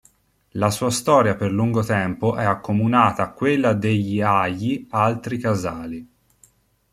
La sua storia per lungo tempo è accomunata a quella degli agli altri casali.